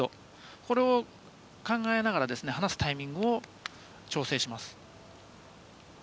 それを考えながら離すタイミングを調整します。